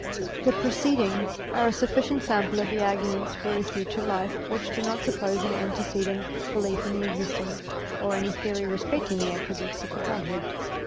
The preceding are a sufficient sample of the argu ments for a future life which do not suppose an antecedent belief in the existence, or any theory respecting the attributes of the Godhead.